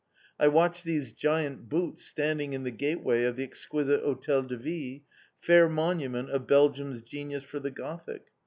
I watched these giant boots standing in the gateway of the exquisite Hotel de Ville, fair monument of Belgium's genius for the Gothic!